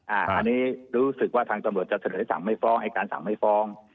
อันนี้รู้สึกว่าทางตำรวจจะเสนอให้สั่งไม่ฟ้องไอ้การสั่งไม่ฟ้อง